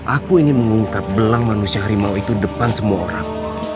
aku ingin mengungkap belang manusia harimau itu depan semua orang